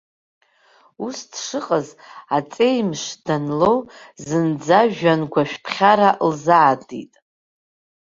Ус дшыҟаз, аҵеимш данлоу, зынӡа жәҩангәашәԥхьара лзаатит.